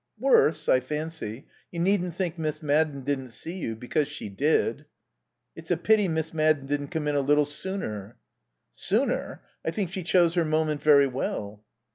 "Worse, I fancy. You needn't think Miss Madden didn't see you, because she did." "It's a pity Miss Madden didn't come in a little sooner." "Sooner? I think she chose her moment very well."